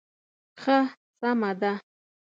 ښه سمه ده.